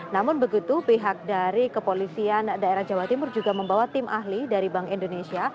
namun begitu pihak dari kepolisian daerah jawa timur juga membawa tim ahli dari bank indonesia